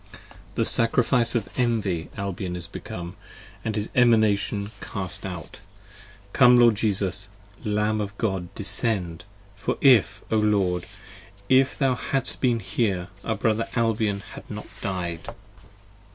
the Sacrifice Of envy Albion is become, and his Emanation cast out: 10 Come Lord Jesus, Lamb of God descend! for if, O Lord! If thou hadst been here, our brother Albion had not died.